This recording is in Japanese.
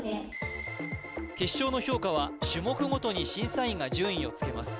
決勝の評価は種目ごとに審査員が順位をつけます